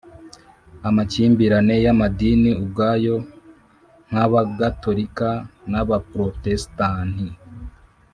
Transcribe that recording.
amakimbirane y'amadini ubwayo: nk'abagatolika n'abaprotestanti,